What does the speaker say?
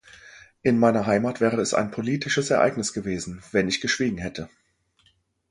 In meiner Heimat wäre es ein politisches Ereignis gewesen, wenn ich geschwiegen hätte!